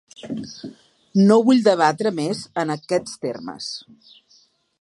No vull debatre més en aquests termes.